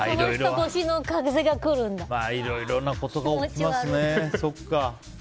いろいろなことがありますね。